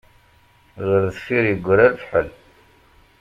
Ɣer deffir yegra lefḥel.